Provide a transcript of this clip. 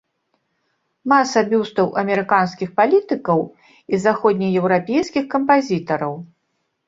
Маса бюстаў амерыканскіх палітыкаў і заходнееўрапейскіх кампазітараў.